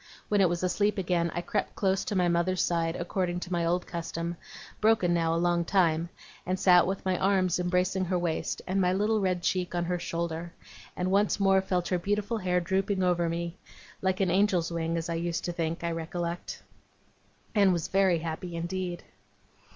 When it was asleep again, I crept close to my mother's side according to my old custom, broken now a long time, and sat with my arms embracing her waist, and my little red cheek on her shoulder, and once more felt her beautiful hair drooping over me like an angel's wing as I used to think, I recollect and was very happy indeed.